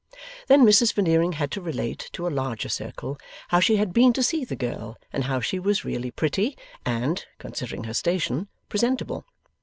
Then Mrs Veneering had to relate, to a larger circle, how she had been to see the girl, and how she was really pretty, and (considering her station) presentable.